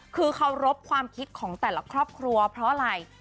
คือเคารพความคิดของแต่ละครอบครัวเพราะอะไร